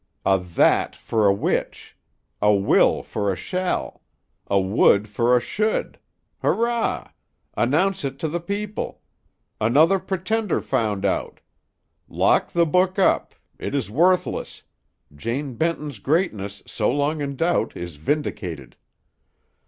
A that for a which! A will for a shall! A would for a should! Hurrah! Announce it to the people! Another pretender found out! Lock the book up! It is worthless! Jane Benton's greatness, so long in doubt, is vindicated!